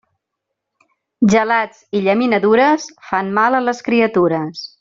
Gelats i llaminadures fan mal a les criatures.